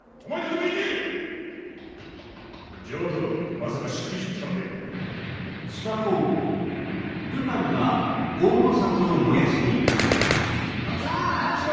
まさかしくじったのでは。とっつぁん早くしろ！